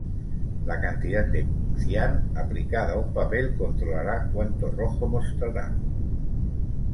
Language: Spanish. La cantidad de cian aplicada a un papel controlará cuanto rojo mostrará.